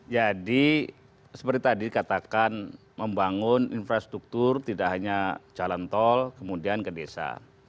jadi seperti tadi katakan membangun infrastruktur tidak hanya jalan tol kemudian ke desa